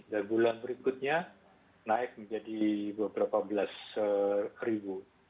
dan bulan berikutnya naik menjadi beberapa belas ribu